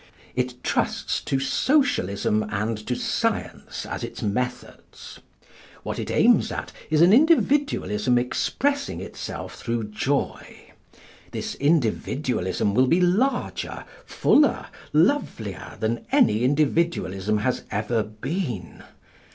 It trusts to Socialism and to Science as its methods. What it aims at is an Individualism expressing itself through joy. This Individualism will be larger, fuller, lovelier than any Individualism has ever been.